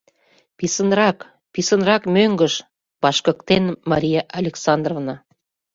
— Писынрак, писынрак мӧҥгыш, — вашкыктен Мария Александровна.